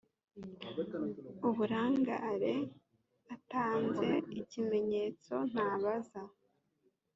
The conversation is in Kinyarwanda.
uburangare atanze ikimenyetso ntabaza